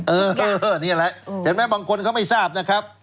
เออนี่แหละเห็นไหมบางคนเขาไม่ทราบนะครับ